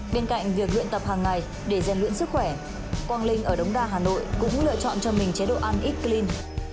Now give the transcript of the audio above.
bên cạnh việc luyện tập hàng ngày để gian luyện sức khỏe quang linh ở đống đa hà nội cũng lựa chọn cho mình chế độ ăn xl